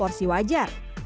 dan porsi wajar